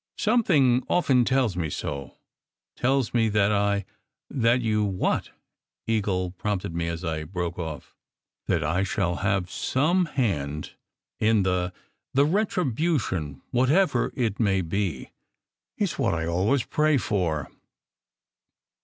Something of ten tells me so tells me that I " "That you what?" Eagle prompted me as I broke off. "That I shall have some hand in the the retribution, whatever it may be. It s what I always pray for."